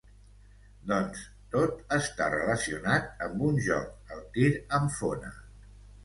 Doncs tot està relacionat amb un joc, el tir amb fona.